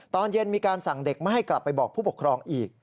ตอนเย็นมีการสั่งเด็กไม่ให้กลับไปบอกผู้ปกครองอีก